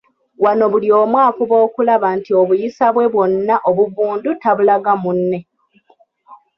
Wano buli omu afuba okulaba nti obuyisa bwe bwonna obuvundu tabulaga munne.